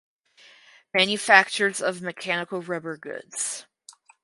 Manufacturers of Mechanical Rubber Goods.